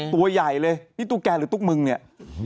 ตัวใหญ่เลยพี่ตุ๊กแกหรือตุ๊กมึงเนี่ย